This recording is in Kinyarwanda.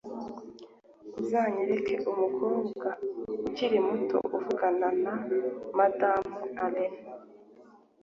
uzanyereka umukobwa ukiri muto uvugana na madamu allen